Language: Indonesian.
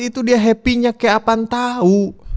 itu dia happy nya kayak apaan tahu